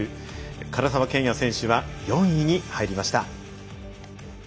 唐澤剣也選手は４位に入りました。